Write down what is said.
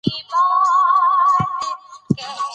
افغانستان د زردشت دین نښي هم لري.